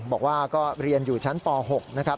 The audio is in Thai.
บอกว่าก็เรียนอยู่ชั้นป๖นะครับ